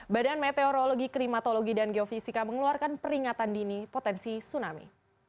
badan meteorologi klimatologi dan geofisika mengeluarkan peringatan dini potensi tsunami